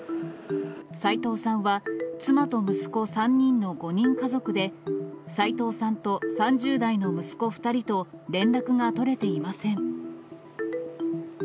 齋藤さんは妻と息子３人の５人家族で、齋藤さんと３０代の息子２人と連絡が取れていません。